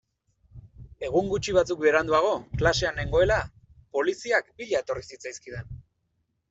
Egun gutxi batzuk beranduago, klasean nengoela, poliziak bila etorri zitzaizkidan.